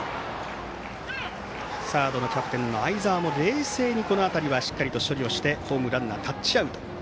サードのキャプテンの相澤も冷静に、この辺りはしっかりと守備をしてホームでランナー、タッチアウト。